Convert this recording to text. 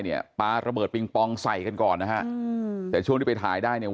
เนี่ยปลาระเบิดปิงปองใส่กันก่อนนะฮะอืมแต่ช่วงที่ไปถ่ายได้เนี่ย